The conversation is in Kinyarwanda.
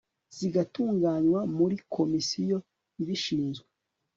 zigatunganywa muri komisiyo ibishinzwe